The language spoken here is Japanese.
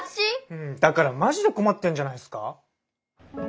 うんだからマジで困ってんじゃないすか。